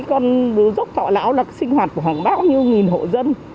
con đứa dốc thảo lão là sinh hoạt của hàng bao nhiêu nghìn hộ dân